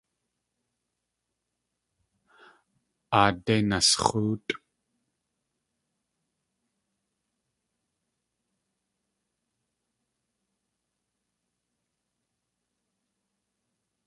Aadé nasx̲óotʼ!